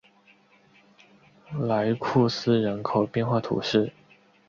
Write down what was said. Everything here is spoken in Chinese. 莱库斯人口变化图示